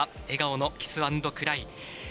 笑顔のキスアンドクライ。